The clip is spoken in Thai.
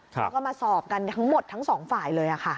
แล้วก็มาสอบกันทั้งหมดทั้งสองฝ่ายเลยค่ะ